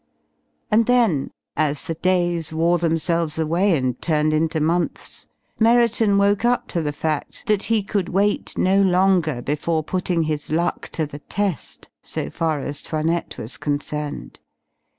And then, as the days wore themselves away and turned into months, Merriton woke up to the fact that he could wait no longer before putting his luck to the test so far as 'Toinette was concerned.